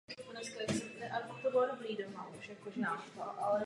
Vyřešit ho musí změnou systému chovu.